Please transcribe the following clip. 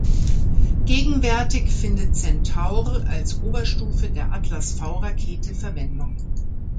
Gegenwärtig findet Centaur als Oberstufe der Atlas-V-Rakete Verwendung.